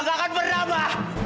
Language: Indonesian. gak akan pernah ma